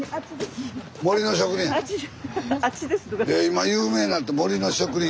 今有名になった森の植林。